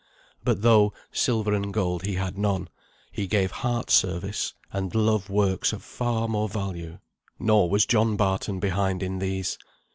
But though "silver and gold he had none," he gave heart service and love works of far more value. Nor was John Barton behind in these.